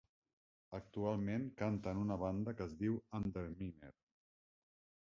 Actualment canta en una banda que es diu Underminer.